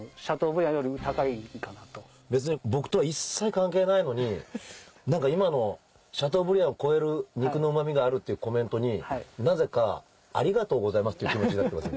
別に僕とは一切関係ないのに何か今のシャトーブリアンを超える肉のうま味があるっていうコメントになぜかありがとうございますっていう気持ちになってます